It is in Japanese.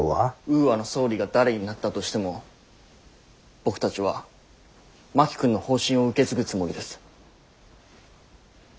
ウーアの総理が誰になったとしても僕たちは真木君の方針を受け継ぐつもりです。